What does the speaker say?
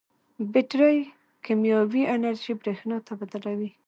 بیټرۍ کیمیاوي انرژي برېښنا ته بدلوي.